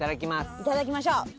いただきましょう。